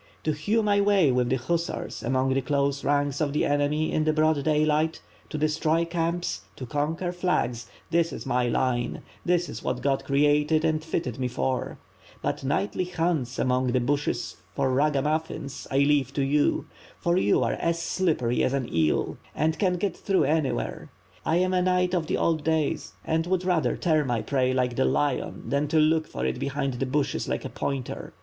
To hew my way with the hussars among the close ranks of the enemy in the broad daylight, to destroy camps, to conquer flags — ^that is in my line, that is what God created and fitted me for; but nightly hunts among the bushes for ragamuflSns, I leave to you; for you are as slippery as an eel and can get through anywhere. I am a knight of the old days and would rather tear my prey, like the lion, than to look for it behind the bushes like a pointer.